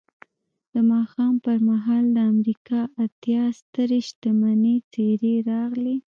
د ماښام پر مهال د امریکا اتیا سترې شتمنې څېرې راغلې